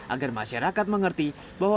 agar masyarakat mengenalpukannya